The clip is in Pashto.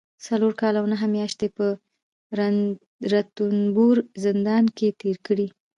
څلور کاله او نهه مياشتې په رنتنبور زندان کې تېرې کړي